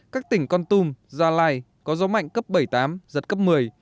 các tỉnh con tum gia lai có gió mạnh cấp bảy tám giật cấp một mươi